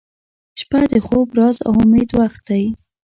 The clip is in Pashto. • شپه د خوب، راز، او امید وخت دی